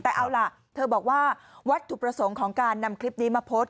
แต่เอาล่ะเธอบอกว่าวัตถุประสงค์ของการนำคลิปนี้มาโพสต์